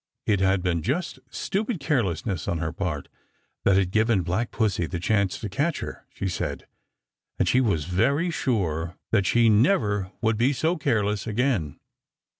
It had been just stupid carelessness on her part that had given Black Pussy the chance to catch her, she said, and she was very sure that she never would be so careless again.